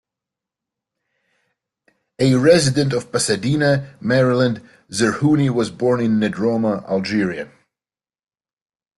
A resident of Pasadena, Maryland, Zerhouni was born in Nedroma, Algeria.